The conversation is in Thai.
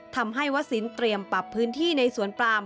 ทำให้วศิลป์เตรียมปรับพื้นที่ในสวนปลาม